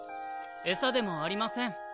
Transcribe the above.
餌でもありません。